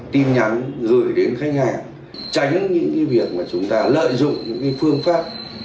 tin nhắn rồi đến khách hàng tránh những cái việc mà chúng ta lợi dụng những cái phương pháp